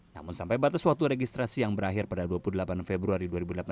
namun sampai batas waktu registrasi yang berakhir pada dua puluh delapan februari dua ribu delapan belas